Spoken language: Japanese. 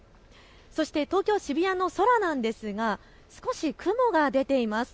そして東京渋谷の空なんですが少し雲が出ています。